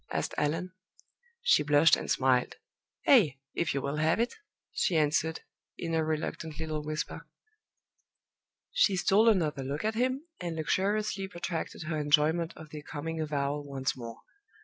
asked Allan. She blushed and smiled. "A if you will have it!" she answered, in a reluctant little whisper. She stole another look at him, and luxuriously protracted her enjoyment of the coming avowal once more.